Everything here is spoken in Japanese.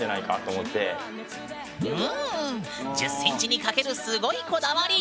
１０ｃｍにかけるすごいこだわり！